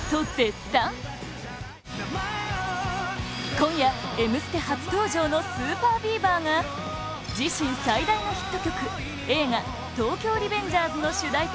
今夜、「Ｍステ」初登場のＳＵＰＥＲＢＥＡＶＥＲが自身最大のヒット曲映画「東京リベンジャーズ」の主題歌